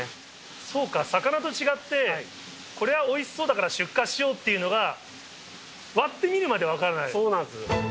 そうか、魚と違ってこれはおいしそうだから出荷しようっていうのが、そうなんです。